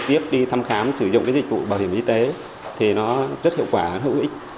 tiếp đi thăm khám sử dụng cái dịch vụ bảo hiểm y tế thì nó rất hiệu quả hữu ích